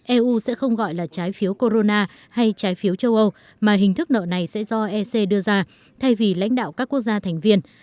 eu sẽ không gọi là trái phiếu corona hay trái phiếu châu âu mà hình thức nợ này sẽ do ec đưa ra thay vì lãnh đạo các quốc gia thành viên